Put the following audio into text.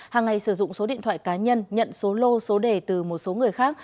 hàng ngày sử dụng số điện thoại cá nhân nhận số lô số đề từ một số người khác